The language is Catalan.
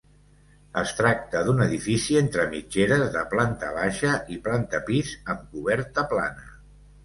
Es tracta d'un edifici entre mitgeres de planta baixa i planta pis amb coberta plana.